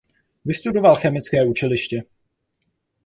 Vystudoval chemické učiliště.